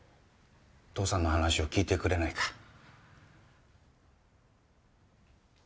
父さんの話を聞いてくれないか？